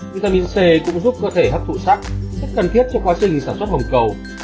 vitamin c cũng giúp cơ thể hấp thụ sắc rất cần thiết cho quá trình sản xuất mồng cầu